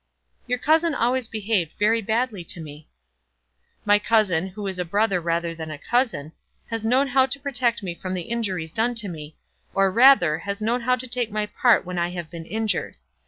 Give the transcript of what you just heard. "Your cousin always behaved very badly to me." "My cousin, who is a brother rather than a cousin, has known how to protect me from the injuries done to me, or, rather, has known how to take my part when I have been injured.